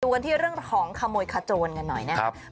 กันที่เรื่องของขโมยขโจนกันหน่อยนะครับ